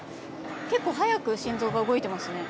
結構速く心臓が動いてますね。